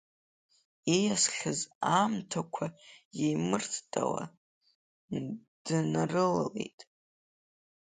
Ииасхьаз аамҭақәа еимырттаауа днарылалеит.